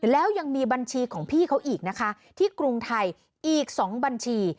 แล้วยังมีบัญชีของพี่เขาอีกนะคะที่กรุงไทยอีก๒บัญชี